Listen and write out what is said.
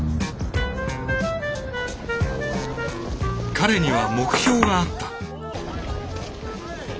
彼には目標があった。